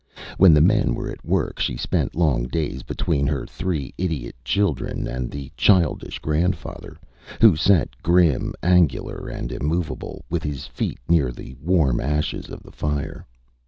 When the men were at work she spent long days between her three idiot children and the childish grandfather, who sat grim, angular, and immovable, with his feet near the warm ashes of the fire.